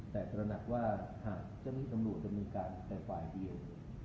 แต่ตระหนักว่าหากเจ้าหน้าที่ตำรวจดำเนินการแต่ฝ่ายเดียว